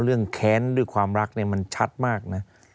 แค้นด้วยความรักเนี่ยมันชัดมากนะ